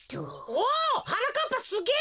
おはなかっぱすげえ！